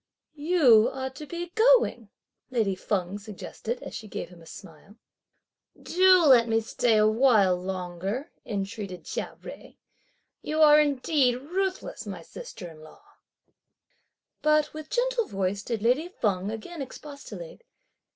"You ought to be going!" lady Feng suggested, as she gave him a smile. "Do let me stay a while longer," entreated Chia Jui, "you are indeed ruthless, my sister in law." But with gentle voice did lady Feng again expostulate.